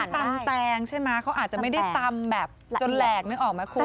แต่นี่เป็นที่ตำแปลงใช่ไหมเขาอาจจะไม่ได้ตำแบบจนแหลกนึงออกมาคุณ